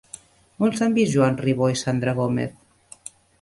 On s'han vist Joan Ribó i Sandra Gómez?